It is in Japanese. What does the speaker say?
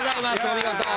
お見事。